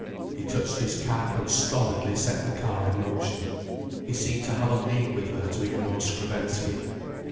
He touched his cap and stolidly set the car in motion. He seemed to have a league with her to ignore Skrebensky.